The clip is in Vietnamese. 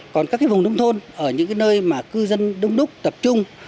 còn các vùng nông thôn ở những nơi mà cư dân đông đúc tập trung